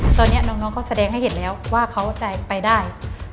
ตอนนี้น้องเขาแสดงให้เห็นแล้วว่าเขาจะไปได้